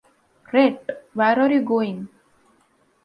Rhett, where are you going?